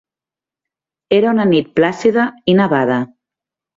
Era una nit plàcida i nevada.